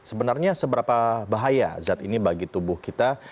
sebenarnya seberapa bahaya zat ini bagi tubuh kita